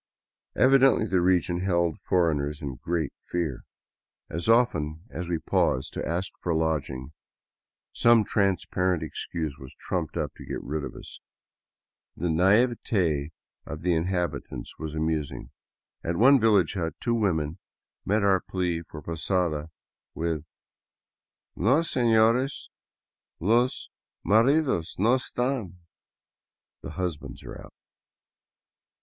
Evidently the region held foreigners in great fear. As often as we 94 DOWN THE ANDES TO QUITO paused to ask for lodging, some transparent excuse was trumped up to get rid of us. The naivete of the inhabitants was amusing. At one village hut two women met our plea for posada with : "No, seiiores, los maridos no estan " (the husbands are out).